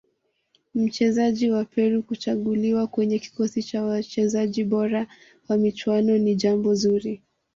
mchezaji wa peru kuchaguliwa kwenye kikosi cha wachezaji bora wa michuano ni jambo zuri